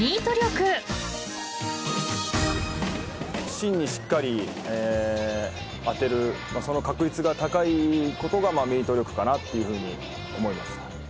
芯にしっかり当てるその確率が高いことがミート力かなというふうに思います。